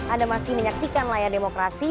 anda masih menyaksikan layar demokrasi